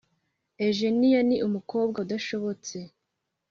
Ujeniya ni umukobwa udashobotse